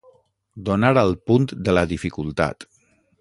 Donar al punt de la dificultat.